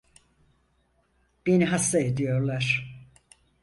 Beni hasta ediyorlar.